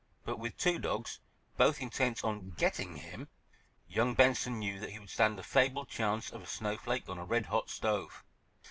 But with two dogs, both intent on "getting" him, young Benson knew that he would stand the fabled chance of a snow flake on a red hot stove.